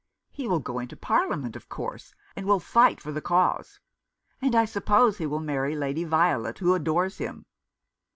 He will go into Parliament, of course, and will fight for the cause ; and I suppose he will marry Lady Violet, who adores him."